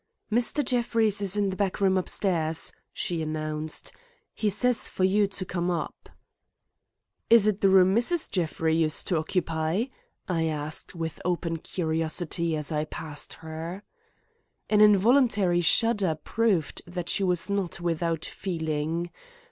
"Mr. Jeffrey is in the back room upstairs," she announced. "He says for you to come up." "Is it the room Mrs. Jeffrey used to occupy?" I asked with open curiosity, as I passed her. An involuntary shudder proved that she was not without feeling.